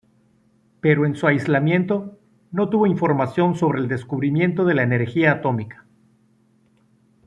Pero en su aislamiento, no tuvo información sobre el descubrimiento de la energía atómica.